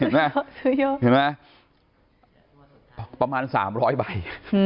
โหซื้อเยอะประมาณสามร้อยใบ